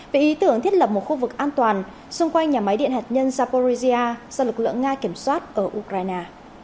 về ý tưởng thiết lập một khu vực an toàn xung quanh nhà máy điện hạt nhân zaporizia do lực lượng nga kiểm soát ở ukraine